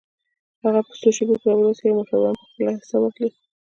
هم په څو شیبو کې را ورسېږي او موټروانان به خپله حصه واخلي.